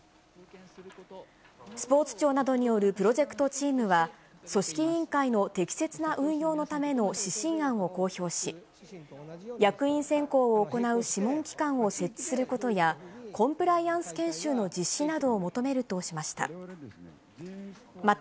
スポーツ庁などによるプロジェクトチームは、組織委員会の適切な運用のための指針案を公表し、役員選考を行う諮問機関を設置することや、コンプライアンス研修の実施などを求めるとしました。